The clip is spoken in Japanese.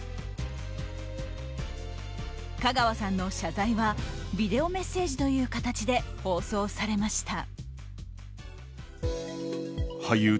香川さんの謝罪はビデオメッセージという形で放送されました。